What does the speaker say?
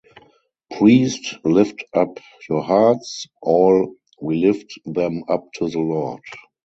Priest: Lift up your hearts. All: We lift them up to the Lord.